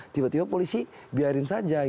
tiba tiba polisi biarin saja